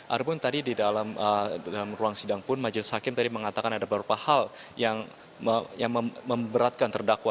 arbon tadi di dalam ruang sidang pun majelis hakim tadi mengatakan ada beberapa hal yang memberatkan terdakwa